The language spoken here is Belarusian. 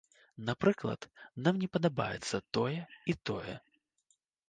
Напрыклад, нам не падабаецца тое і тое.